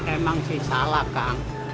emang sih salah kang